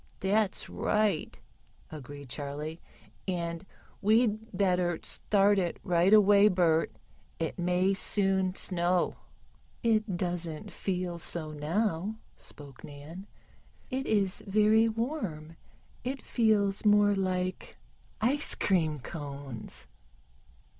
"That's right," agreed Charley. "And we'd better start it right away, Bert. It may soon snow." "It doesn't feel so now," spoke Nan. "It is very warm. It feels more like ice cream cones."